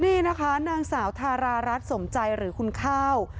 นี่นะคะนางสาวทารารัฐสมใจหรือคุณข้าว